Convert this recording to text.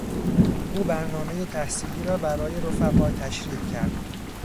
او برنامهٔ تحصیلی را برای رفقا تشریح کرد.